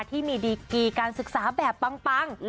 ที่มีดีกีการศึกษาแบบปัง